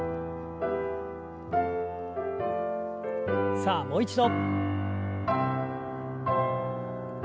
さあもう一度。